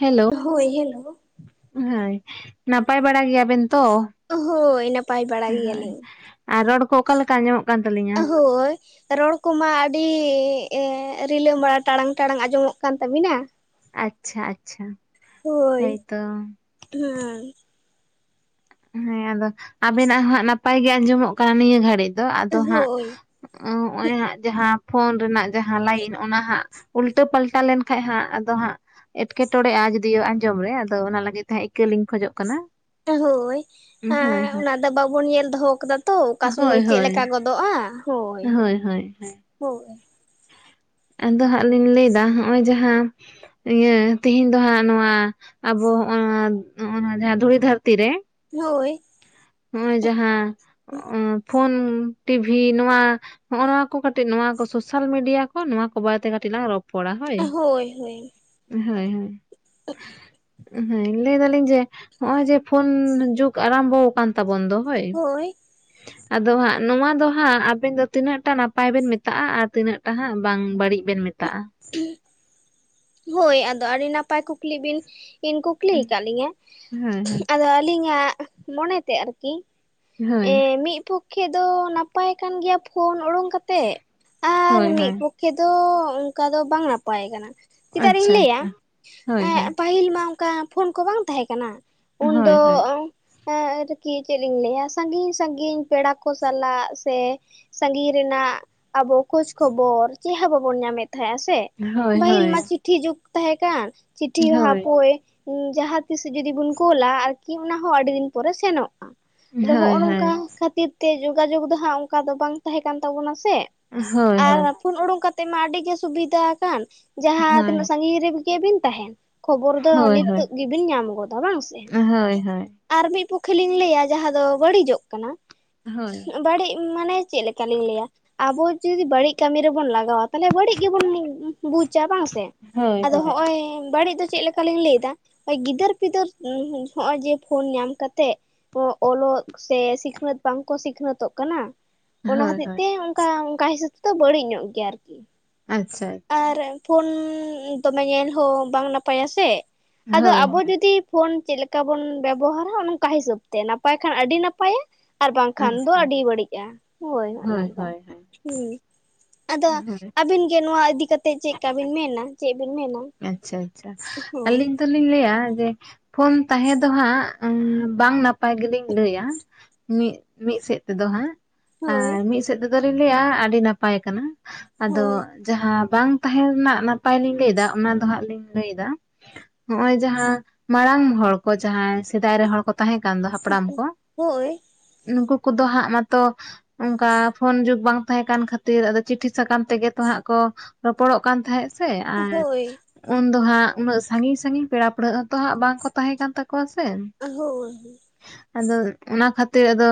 Hello ᱦᱳᱭ hello ᱦᱟᱭ ᱱᱟᱯᱟᱭ ᱵᱟᱲᱟ ᱜᱮᱭᱟᱵᱮᱱ ᱛᱚ? ᱦᱳᱭ ᱱᱟᱯᱟᱭ ᱵᱟᱲᱟ ᱦᱳᱭ ᱜᱮᱭᱟᱞᱤᱧ ᱟᱨ ᱨᱚᱲ ᱠᱚ ᱚᱠᱟ ᱞᱮᱠᱮ ᱟᱹᱡᱚᱢᱚᱜ ᱦᱳᱭ, ᱨᱚᱲ ᱠᱚᱢᱟ ᱟᱹᱰᱤᱻ ᱨᱤᱞᱟᱹᱢᱟᱢᱟ ᱴᱟᱲᱟᱝ ᱴᱟᱲᱟᱝ ᱟᱸᱡᱚᱢᱚᱜ ᱠᱟᱱ ᱛᱟᱵᱤᱱᱟ᱾ ᱟᱪᱪᱷᱟ ᱟᱪᱪᱷᱟ᱾ ᱦᱳᱭ ᱦᱳᱭᱛᱚ ᱦᱮᱸ᱾ ᱦᱮᱸ ᱟᱫᱚ ᱟᱵᱮᱱᱟᱼᱜ ᱦᱜ ᱱᱟᱯᱟᱭ ᱜᱮ ᱟᱸᱡᱚᱢᱚᱜ ᱠᱟᱱᱟ ᱱᱤᱭᱟᱹ ᱜᱷᱟᱹᱲᱤᱡ ᱫᱚ ᱟᱸᱫᱚ ᱦᱟᱸᱜ ᱦᱳᱭ ᱚ ᱦᱚᱜ ᱚᱭ ᱦᱟᱸ ᱡᱟᱦᱟᱸ ᱯᱷᱳᱱ ᱨᱮᱱᱟᱹᱜ ᱡᱟᱦᱟᱸ ᱞᱟᱭᱤᱱ ᱚᱱᱟᱦᱟᱸᱜ ᱩᱞᱴᱟᱹ ᱯᱟᱞᱴᱟ ᱞᱮᱱᱹᱠᱟᱱᱡ ᱦᱟᱸᱜ ᱟᱫᱚ ᱦᱟᱸᱜ ᱮᱴᱠᱮᱸᱴᱚᱬᱮᱜᱼᱟ ᱡᱩᱫᱤᱭᱳ ᱟᱸᱡᱚᱢ ᱨᱮ ᱟᱫᱚ ᱚᱱᱟ ᱞᱟᱹᱜᱤᱫ ᱛᱮᱟᱸᱜ ᱤᱠᱟᱹ ᱞᱤᱧ ᱠᱷᱚᱡᱚᱼᱜ ᱠᱟᱱᱟ᱾ ᱦᱳᱭ ᱦᱳᱭ ᱦᱳᱭ ᱚᱱᱟ ᱫᱚ ᱵᱟᱹᱵᱚᱱ ᱧᱮᱞ ᱫᱚᱦᱚ ᱟᱹᱠᱟᱫᱟ ᱛᱚ ᱚᱠᱟ ᱦᱳᱭ ᱥᱩᱢᱟᱹᱭ ᱪᱮᱫ ᱦᱳᱭ ᱞᱮᱠᱟ ᱜᱚᱫ ᱫᱚᱜᱼᱟ ᱦᱳᱭ ᱦᱳᱭ᱾ ᱟᱫᱚ ᱦᱟᱸᱜ ᱞᱤᱧ ᱞᱟᱹᱭᱫᱟ ᱱᱚᱜᱼᱚᱭ ᱡᱟᱦᱟᱸ ᱤᱭᱟᱹ ᱛᱮᱦᱤᱧ ᱫᱚ ᱦᱟᱸᱜ ᱱᱚᱣᱟ ᱟᱸᱵᱚᱜ ᱱᱚᱜ ᱱᱚᱣᱟ ᱡᱟᱦᱟᱸ ᱫᱷᱩᱲᱤ ᱫᱷᱟᱹᱨᱛᱤ ᱨᱮᱹ᱾ ᱦᱳᱭ᱾ ᱱᱚᱜ ᱚᱭ ᱡᱟᱦᱟᱸᱦᱩ ᱯᱷᱳᱱ ᱴᱤᱵᱷᱤ ᱱᱚᱣᱟ ᱱᱚᱜ ᱱᱚᱣᱟ ᱠᱚ ᱠᱟᱹᱴᱤᱡ ᱱᱚᱣᱟ ᱠᱚ ᱥᱟᱞ ᱢᱤᱰᱤᱭᱟ ᱠᱚ ᱱᱚᱣᱟ ᱠᱚ ᱵᱟᱨᱮᱛᱮ ᱠᱟᱹᱴᱤᱡ ᱞᱟᱝ ᱨᱚᱯ ᱯᱚᱲᱟ ᱦᱳᱭ, ᱦᱳᱭ ᱦᱳᱭ᱾ ᱦᱮᱸ ᱞᱟᱹᱭ ᱫᱟᱞᱤᱧ ᱡᱮ ᱱᱚᱜ ᱚᱚᱭ ᱡᱮ ᱯᱷᱳᱱ ᱡᱩᱜᱽ ᱟᱨᱹᱟᱢᱵᱚ ᱠᱟᱱ ᱛᱟ ᱵᱚᱱᱹᱫᱚᱳᱭ᱾ ᱦᱳᱭ᱾ ᱟᱫᱚ ᱦᱟᱸᱜ ᱱᱚᱣᱟ ᱫᱚ ᱦᱟᱸᱜ ᱟᱸᱵᱮᱱ ᱫᱚ ᱛᱤᱱᱟᱹᱜ ᱴᱟ ᱱᱟᱯᱟᱭ ᱵᱮᱱ ᱢᱮᱛᱟᱜᱼᱟ ᱟᱨ ᱛᱤᱱᱟᱹᱜ ᱴᱟ ᱦᱟᱸᱜ ᱵᱟᱝ ᱵᱟᱹᱲᱤᱡ ᱵᱮᱱ ᱢᱮᱛᱟᱜᱼᱟ᱾ ᱦᱳᱭ ᱟᱫᱚ ᱟᱹᱰᱤ ᱱᱟᱯᱟᱭ ᱠᱩᱠᱞᱤ ᱵᱤᱱ ᱤᱧ ᱠᱩᱠᱞᱤᱭ ᱟᱠᱟᱫ ᱞᱤᱧᱟᱹ ᱦᱳᱭ ᱦᱳᱭ ᱟᱫᱚ ᱟᱹᱞᱤᱧᱟᱜ ᱢᱚᱱᱮᱛᱮ ᱟᱨᱠᱤ ᱦᱳᱭ ᱮᱸ ᱢᱤᱫ ᱯᱚᱠᱷᱮ ᱫᱚ ᱱᱟᱯᱟᱭ ᱠᱟᱱ ᱜᱮᱭᱟᱹ ᱯᱷᱳᱱ ᱩᱰᱩᱚᱝ ᱠᱟᱛ ᱛᱮ ᱟᱨ ᱦᱳᱭ ᱢᱤᱫ ᱦᱳᱭ ᱯᱚᱠᱷᱮ ᱫᱚ ᱚᱱᱠᱟ ᱫᱚ ᱵᱟᱝ ᱱᱟᱯᱟᱭ ᱠᱟᱱᱟ᱾ ᱪᱮᱫᱟᱜ ᱞᱤᱧ ᱟᱪᱪᱷᱟ ᱞᱟᱹᱭᱟ ᱟᱪᱪᱷᱟ ᱦᱳᱭ ᱮ ᱦᱳᱭ ᱯᱟᱹᱦᱤᱞ ᱢᱟ ᱚᱱᱠᱟ ᱯᱷᱳᱱ ᱠᱚ ᱵᱟᱝ ᱛᱟᱦᱮᱸ ᱠᱟᱱᱟ᱾ ᱦᱳᱭ ᱩᱱᱫᱚ ᱦᱳᱭ ᱟᱨᱹᱠᱤ ᱪᱮᱫ ᱞᱤᱧ ᱞᱟᱹᱭᱟ! ᱥᱟᱺᱜᱤᱧ ᱥᱟᱺᱜᱤᱧ ᱯᱮᱲᱟ ᱠᱚ ᱥᱟᱞᱟᱜ ᱥᱮ ᱥᱟᱜᱤᱧ ᱨᱮᱱᱟᱼᱜ ᱟᱸᱵᱚ ᱠᱷᱳᱡᱽ ᱠᱷᱚᱵᱚᱨ ᱪᱮᱫ ᱦᱚᱸ ᱵᱟᱵᱚᱱ ᱧᱟᱢᱮᱫ ᱛᱟᱦᱮᱸᱜᱼᱟ ᱥᱮ᱾ ᱦᱳᱭ ᱦᱳᱭ ᱯᱟᱹᱦᱤᱞ ᱢᱟ ᱪᱤᱴᱷᱤ ᱡᱩᱜᱽ ᱛᱟᱦᱮᱸ ᱠᱟᱱ ᱪᱤᱴᱷᱤ ᱦᱳᱭ ᱦᱟᱯᱭ ᱡᱟᱦᱟᱸ ᱛᱤᱥ ᱡᱩᱚᱫᱤᱵᱩᱱ ᱠᱳᱞᱟ ᱟᱨᱠᱤ ᱚᱱᱟ ᱦᱚᱸ ᱟ ᱫᱤᱱ ᱯᱚᱨᱮ ᱥᱮᱱᱚᱜᱼᱟ᱾ ᱟᱫᱚ ᱦᱳᱭ ᱦᱚᱜᱼᱚᱭ ᱦᱳᱭ ᱱᱚᱝᱹᱠᱟ ᱠᱷᱟᱹᱛᱤᱨ ᱛᱮ ᱡᱳᱜᱟᱡᱳᱜᱽ ᱫᱚ ᱦᱟᱸᱜ ᱚᱸᱱᱠᱟ ᱫᱚ ᱵᱟᱝ ᱛᱟᱦᱮᱸ ᱠᱟᱱ ᱛᱟᱵᱚᱱᱟ ᱥᱮ ᱦᱳᱭ ᱦᱳᱭ ᱟᱨ ᱦᱳᱭ ᱯᱷᱩᱱ ᱩᱰᱩᱠ ᱠᱟᱹᱛᱮᱜ ᱢᱟ ᱟᱹᱰᱤ ᱜᱮ ᱥᱩᱵᱤᱫᱷᱟ ᱟᱠᱟᱱ ᱡᱟᱦᱟᱸ ᱛᱤᱱᱟᱹᱜ ᱦᱳᱭ ᱥᱟᱺᱜᱤᱧ ᱨᱮᱹᱜᱮᱵᱤᱱ ᱛᱟᱦᱮᱱ ᱠᱷᱚᱵᱚᱨ ᱫᱚ ᱦᱳᱭ ᱦᱳᱭ ᱱᱤᱛᱚᱜ ᱜᱮᱵᱤᱱ ᱧᱟᱢ ᱜᱚᱫᱟ, ᱵᱟᱝ ᱥᱮ? ᱦᱳᱭ ᱦᱳᱭ ᱟᱨ ᱢᱤᱫ ᱯᱚᱠᱠᱷᱮ ᱞᱤᱧ ᱞᱟᱹᱭᱟ ᱡᱟᱦᱟᱸ ᱫᱚ ᱵᱟᱹᱲᱤᱡᱚᱜ ᱠᱟᱱᱟ, ᱦᱳᱭ᱾ ᱵᱟᱹᱲᱤᱡ ᱢᱟᱱᱮ ᱪᱮᱫ ᱞᱮᱠᱟᱞᱤᱧ ᱞᱟᱹᱭᱟ, ᱟᱵᱚ ᱡᱩᱫᱤ ᱵᱟᱲᱤᱡ ᱠᱟᱢᱤ ᱨᱮᱵᱚᱱ ᱞᱟᱜᱟᱣᱟ ᱛᱟᱦᱚᱞᱮ ᱵᱟᱹᱲᱤᱡ ᱜᱮᱵᱚᱱ ᱵᱩᱡᱟ ᱵᱟᱝ ᱥᱮ, ᱦᱳᱭ ᱟᱫᱚ ᱦᱚᱸᱜᱼᱚᱭ ᱵᱟᱹᱲᱤᱡ ᱫᱚ ᱪᱮᱫ ᱞᱮᱼᱼ ᱠᱟᱞᱤᱧ ᱞᱟᱹᱭ ᱮᱫᱟ, ᱜᱤᱫᱟᱹᱨ ᱯᱤᱫᱟᱹᱨ ᱦᱚᱸᱜ-ᱚᱭ ᱡᱮ ᱯᱷᱳᱱ ᱧᱟᱢ ᱠᱟ ᱠᱟᱛᱮᱜ ᱚᱞᱚᱜ ᱥᱮ ᱥᱤᱠᱷᱱᱟᱹᱛ ᱵᱟᱝ ᱠᱚ ᱥᱤᱠᱷᱱᱟᱹᱛᱚᱜ ᱠᱟᱱᱟ, ᱚᱱᱟ ᱦᱳᱭ ᱦᱚᱛᱮᱡ ᱦᱳᱭ ᱛᱮ ᱚᱱ ᱠᱟ ᱚᱝᱠᱟ ᱦᱤᱥᱟᱹᱵᱽ ᱛᱮᱫᱚ ᱵᱟᱹᱲᱤᱡ ᱧᱚᱜ ᱜᱮᱭᱟ ᱟᱨᱠᱤ᱾ ᱟᱪᱪᱷᱟ ᱟᱪᱪᱷᱟ᱾ ᱟᱨ ᱯᱷᱳᱱ ᱫᱚᱢᱮ ᱧᱮᱞ ᱦᱚᱸ ᱵᱟᱝ ᱱᱟᱯᱟᱭ-ᱟ ᱥᱮ, ᱟᱫᱚ ᱦᱳᱭ ᱟᱵᱚ ᱦᱳᱭ ᱡᱩᱫᱤ ᱯᱷᱳᱱ ᱪᱮᱫ ᱞᱮᱠᱟ ᱵᱚᱱ ᱵᱮᱵᱚᱦᱟᱨᱟ ᱚᱱᱚᱝᱠᱟ ᱦᱤᱥᱟᱹᱵ ᱛᱮ ᱱᱟᱯᱟᱭ ᱠᱷᱟᱱ ᱟᱹᱰᱤ ᱱᱟᱯᱟᱭ-ᱟ, ᱟᱨ ᱵᱟᱝᱠᱷᱟᱱ ᱫᱚ ᱟᱪᱪᱷᱟ ᱟᱹᱰᱤ ᱵᱟᱹᱲᱤᱡᱼᱟ, ᱦᱳᱭ ᱱᱚᱜᱼᱚ ᱱᱚᱝᱠᱟ᱾ ᱦᱩᱸ, ᱟᱫᱚ ᱦᱳᱭ ᱟᱵᱤᱱ ᱜᱮ ᱱᱚᱣᱟ ᱤᱫᱤ ᱠᱟᱛᱮᱜ ᱪᱮᱫᱠᱟ ᱵᱤᱱ ᱢᱮᱱᱟ ᱪᱮᱫ ᱵᱤᱱ ᱢᱮᱱᱟ? ᱟᱪᱪᱷᱟ ᱟᱪᱪᱷᱟ, ᱦᱳᱭ ᱟᱞᱤᱧ ᱫᱚᱞᱤᱧ ᱞᱟᱹᱭᱟ ᱡᱮ, ᱯᱷᱳᱱ ᱛᱟᱦᱮᱸ ᱫᱚ ᱦᱟᱸᱜ ᱵᱟᱝ ᱱᱟᱯᱟᱭ ᱜᱮᱞᱤᱧ ᱞᱟᱹᱭᱟ, ᱢᱤᱫ, ᱢᱤᱫ ᱥᱮᱫ ᱛᱮᱫᱚ ᱦᱟᱸᱜ᱾ ᱦᱳᱭ ᱟᱨ ᱢᱤᱫ ᱥᱮᱫ ᱛᱮᱫᱚᱞᱤᱧ ᱞᱟᱹᱭᱟ ᱟᱰᱤ ᱱᱟᱯᱟᱭ ᱠᱟᱱᱟ, ᱟᱫᱚ ᱦᱳᱭ ᱡᱟᱦᱟᱸ ᱵᱟᱝ ᱛᱟᱦᱮᱸ ᱨᱮᱱᱟᱜ ᱱᱟᱯᱟᱭ ᱞᱤᱧ ᱞᱟᱹᱭᱮᱫᱟ ᱚᱱᱟ ᱫᱚ ᱦᱟᱸᱜ ᱞᱤᱧ ᱞᱟᱹᱭ ᱮᱫᱟ, ᱦᱚᱸᱜ-ᱚᱭ ᱡᱟᱦᱟᱸ, ᱢᱟᱲᱟᱝ ᱦᱚᱲ ᱠᱚ ᱡᱟᱦᱟᱸᱭ ᱥᱮᱫᱟᱭ ᱨᱮᱱ ᱦᱚᱲ ᱠᱚ ᱛᱟᱦᱮᱸ ᱠᱟᱱ ᱫᱚ ᱦᱟᱯᱲᱟᱢ ᱠᱚ, ᱦᱳᱭ ᱱᱩᱠᱩ ᱠᱩᱫᱚ ᱦᱟᱸᱜ ᱢᱟᱛᱚ ᱚᱝᱠᱟ ᱯᱷᱳᱱ ᱡᱩᱜᱽ ᱵᱟᱝ ᱛᱟᱦᱮᱸ ᱠᱟᱱ ᱠᱷᱟᱹᱛᱤᱨ ᱟᱫᱚ ᱪᱤᱴᱷᱤ ᱥᱟᱠᱟᱢ ᱛᱮᱜᱮ ᱛᱚ ᱦᱟᱸᱜ ᱠᱚ ᱨᱚᱯᱚᱲᱼᱚᱜ ᱠᱟᱱ ᱛᱟᱦᱮᱸᱫ ᱥᱮ ᱟᱨ ᱦᱳᱭ ᱩᱱ ᱫᱚ ᱦᱟᱸᱜ ᱩᱱᱟᱹᱜ ᱥᱟᱺᱜᱤᱧ ᱥᱟᱺᱜᱤᱧ ᱯᱮᱲᱟ ᱯᱟᱹᱲᱦᱟᱹᱜ ᱦᱚᱸ ᱛᱚ ᱦᱟᱸᱜ ᱵᱟᱝ ᱠᱚ ᱛᱟᱦᱮᱸ ᱠᱟᱱ ᱛᱟᱠᱩᱣᱟ ᱥᱮ, ᱟ ᱦᱳᱭ᱾ ᱟᱫᱚ ᱚᱱᱟ ᱠᱷᱟᱹᱛᱤᱨ ᱟᱫᱚ